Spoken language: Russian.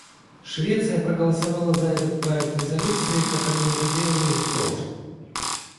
Швеция проголосовала за этот проект резолюции, как она это делала и в прошлом.